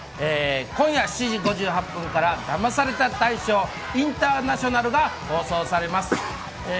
今夜７時５８分から、ダマされた大賞インターナショナルが放送されます。